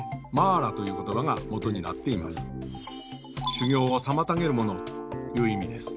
「修行を妨げるもの」という意味です。